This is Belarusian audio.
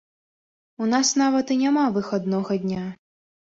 У нас нават і няма выхаднога дня.